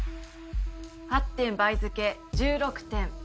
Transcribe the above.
８点倍付け１６点。